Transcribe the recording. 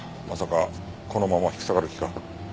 まさかこのまま引き下がる気か？